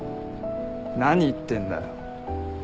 何言ってんだよ。